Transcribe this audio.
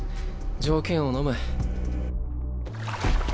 条件をのむ。